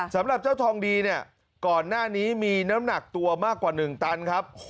สำหรับเจ้าทองดีเนี่ยก่อนหน้านี้มีน้ำหนักตัวมากกว่า๑ตันครับ